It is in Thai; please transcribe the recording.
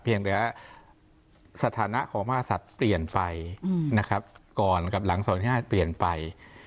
เพียงแต่สถานะของพระมหาศัตริย์เปลี่ยนไปก่อนกับหลังส่วนที่๕เปลี่ยนไป